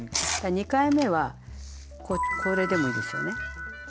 ２回目はこれでもいいですよね。